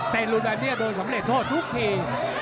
แต่หลุดแบบนี้โดนสำเร็จโทษทุกที